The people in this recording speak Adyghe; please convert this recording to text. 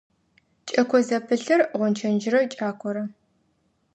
Кӏэко зэпылъыр – гъончэджрэ кӏакорэ.